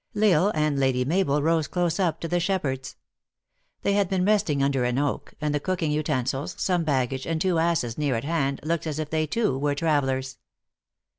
L Isle and Lady Mabel rode close up to the shep herds. They had been resting under an oak, and the cooking utensils, some baggage, and two asses near at hand, looked as if they, too, were travelers.